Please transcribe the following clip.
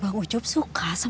bang ucup suka sama